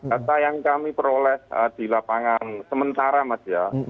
data yang kami peroleh di lapangan sementara mas ya